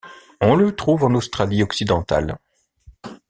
On le trouve en Australie occidentale.